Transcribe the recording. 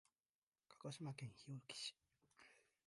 鹿児島県日置市